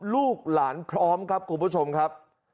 ลูกหลานพร้อมครับคุณผู้ชมครับ